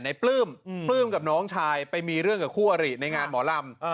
ปลื้มปลื้มกับน้องชายไปมีเรื่องกับคู่อริในงานหมอลำ